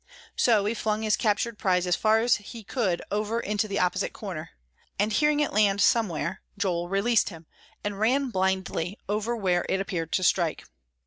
So he flung his captured prize as far as he could over into the opposite corner. And hearing it land somewhere, Joel released him, and ran blindly over where it appeared to strike.